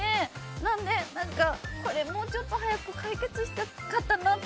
なので、もうちょっと早く解決したかったなと。